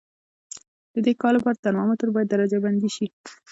د دې کار لپاره ترمامتر باید درجه بندي شي.